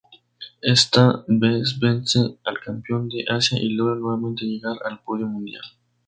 Esta vez vence al campeón de Asia y logra nuevamente llegar al podio mundial.